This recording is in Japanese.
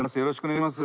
よろしくお願いします。